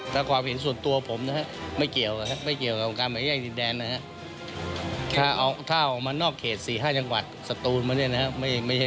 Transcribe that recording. พักใต้ก็ตาม